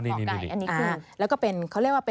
แต่แบบว่า